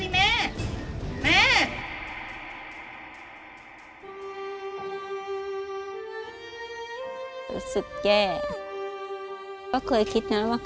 แม่รู้สึกโปรดิแม่